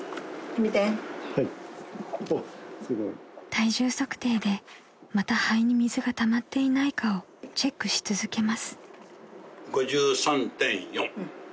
［体重測定でまた肺に水がたまっていないかをチェックし続けます］